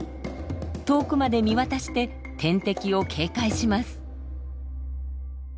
遠くまで見渡して天敵を警戒します。